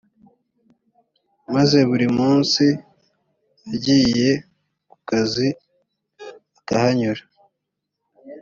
maze buri munsi agiye ku kazi akahanyura